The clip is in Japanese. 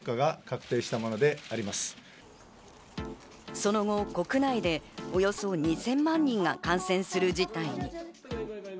その後、国内でおよそ２０００万人が感染する事態に。